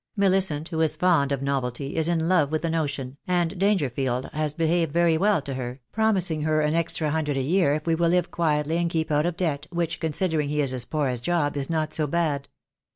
Millicent, who is fond of novelty, is in love with the notion, and Dangerfield has behaved very well to her, promising her an extra hundred a year if we will live quietly and keep out of debt, which, considering he is as poor as Job, is not so bad.